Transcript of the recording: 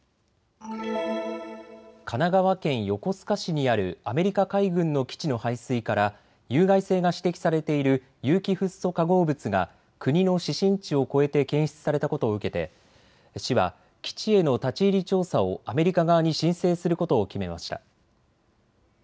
神奈川県横須賀市にあるアメリカ海軍の基地の排水から有害性が指摘されている有機フッ素化合物が国の指針値を超えて検出されたことを受けて市は基地への立ち入り調査をアメリカ側に申請することを決めました。